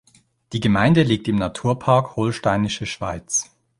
Die Gemeinde liegt im Naturpark Holsteinische Schweiz.